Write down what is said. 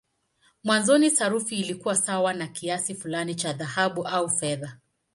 Mwanzoni sarafu ilikuwa sawa na kiasi fulani cha dhahabu au fedha.